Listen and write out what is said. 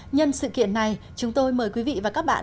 nhân sự kiện này chúng tôi mời quý vị và các bạn